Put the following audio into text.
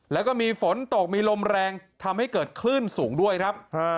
แล้วก็มีฝนตกมีลมแรงทำให้เกิดคลื่นสูงด้วยครับ